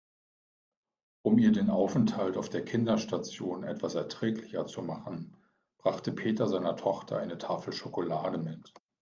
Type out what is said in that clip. Um ihr den Aufenthalt auf der Kinderstation etwas erträglicher zu machen, brachte Peter seiner Tochter eine Tafel Schokolade mit.